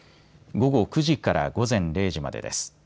午後９時から午前０時までです。